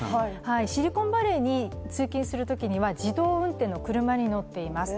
シリコンバレーに通勤するときには自動運転の車に乗っています。